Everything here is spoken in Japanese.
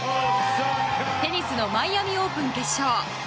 テニスのマイアミ・オープン決勝。